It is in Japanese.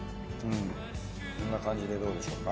こんな感じでどうでしょうか？